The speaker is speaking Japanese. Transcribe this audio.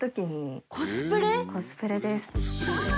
コスプレです。